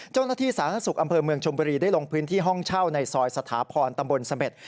เจ้าหน้าที่สหรัฐศุกร์อำเภอเมืองชมบุรีได้ลงพื้นที่ห้องเช่าในซอยสถาพรณ์ตำบลสเม็ด